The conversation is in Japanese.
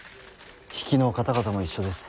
比企の方々も一緒です。